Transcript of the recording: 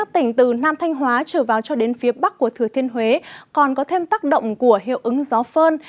tỉnh từ nam thanh hóa trở vào cho đến phía bắc của thừa thiên huế còn có thêm tác động của hiệu ứng gió phơn